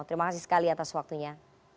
terima kasih sekali atas waktunya